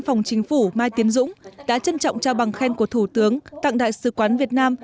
phòng chính phủ mai tiến dũng đã trân trọng trao bằng khen của thủ tướng tặng đại sứ quán việt nam